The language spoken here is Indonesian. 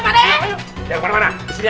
jangan kemana mana kesini aja